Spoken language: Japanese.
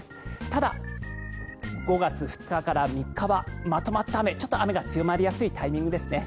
ただ、５月２日から３日はまとまった雨ちょっと雨が強まりやすいタイミングですね。